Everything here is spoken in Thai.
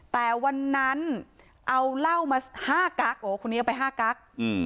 แต่วันนั้นเอาเล่ามาห้ากั๊กโอ้คนนี้ไปห้ากั๊กอืม